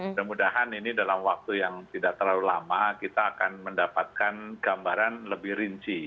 mudah mudahan ini dalam waktu yang tidak terlalu lama kita akan mendapatkan gambaran lebih rinci